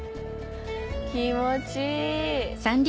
気持ちいい。